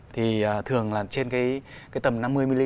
thì thường là trên cái tầm năm mươi mm